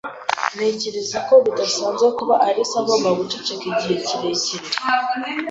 Ntekereza ko bidasanzwe kuba Alice agomba guceceka igihe kirekire